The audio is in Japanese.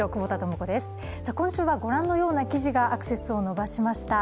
今週はご覧のような記事がアクセスを伸ばしました。